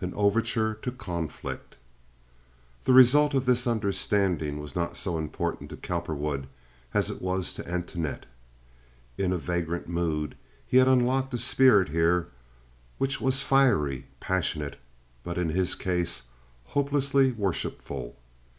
An Overture to Conflict The result of this understanding was not so important to Cowperwood as it was to Antoinette. In a vagrant mood he had unlocked a spirit here which was fiery, passionate, but in his case hopelessly worshipful.